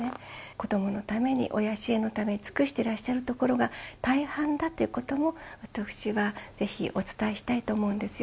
子どものために親支援のために尽くしてらっしゃるところが大半だということも、私はぜひお伝えしたいと思うんですよ。